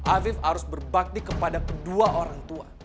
afif harus berbakti kepada kedua orang tua